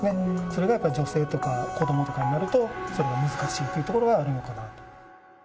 それがやっぱり女性とか子どもとかになると、それが難しいというところはあるのかなと。